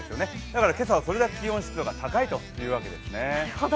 だから今朝はそれほど気温、湿度が高いということですね